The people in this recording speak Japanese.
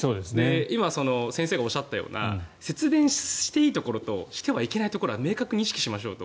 今、先生がおっしゃったような節電していいところとしてはいけないところは明確に意識しましょうと。